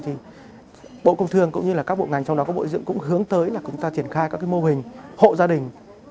thì bộ công thương cũng như là các bộ ngành trong đó có bộ dựng cũng hướng tới là chúng ta triển khai các mô hình hộ gia đình